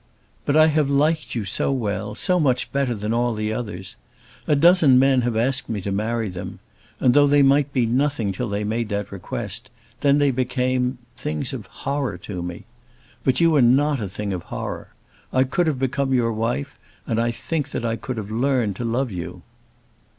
"But I have liked you so well, so much better than all others! A dozen men have asked me to marry them. And though they might be nothing till they made that request, then they became things of horror to me. But you were not a thing of horror. I could have become your wife, and I think that I could have learned to love you."